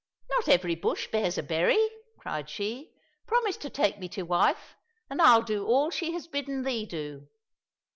" Not every bush bears a berry !" cried she. " Promise to take me to wife, and I'll do all she has bidden thee do."